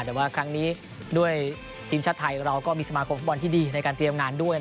แต่ว่าครั้งนี้ด้วยทีมชาติไทยเราก็มีสมาคมฟุตบอลที่ดีในการเตรียมงานด้วย